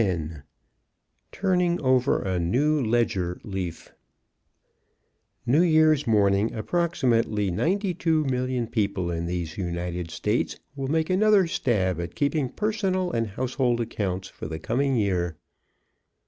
X TURNING OVER A NEW LEDGER LEAF New Year's morning approximately ninety two million people in these United States will make another stab at keeping personal and household accounts for the coming year.